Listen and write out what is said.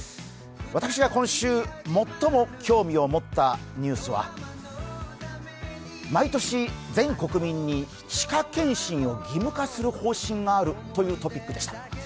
私は今週、最も興味を持ったニュースは毎年、全国民に歯科検診を義務化する方針があるというトピックでした。